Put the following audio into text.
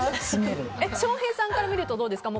翔平さんから見るとどうですか？